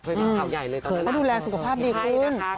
เคยเปลี่ยนเท่าใหญ่เลยตอนนั้นนั้น